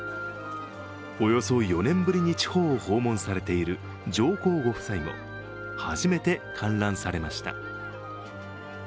およそ４年ぶりに地方を訪問されている上皇ご夫妻も初めて観覧されました。